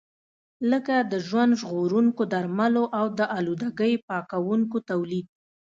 لکه د ژوند ژغورونکو درملو او د آلودګۍ پاکونکو تولید.